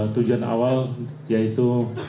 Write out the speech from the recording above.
tujuan awal yaitu